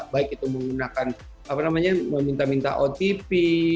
baik itu menggunakan apa namanya meminta minta otp